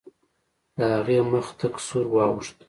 د هغې مخ تک سور واوښت.